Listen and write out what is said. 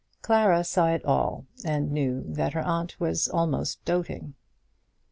Clara saw it all, and knew that her aunt was almost doting.